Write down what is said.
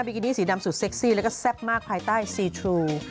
กินี่สีดำสุดเซ็กซี่แล้วก็แซ่บมากภายใต้ซีทรู